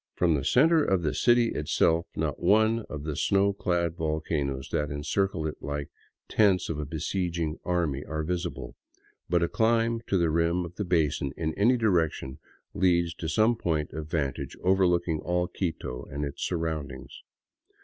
" 134 THE CITY OF THE EQUATOR From the center of the city itself not one of the snow clad volcanoes that encircle it like the tents of a besieging army are visible; but a climb to the rim of the basin in any direction leads to some point of vantage overlooking all Quito and its surroundings.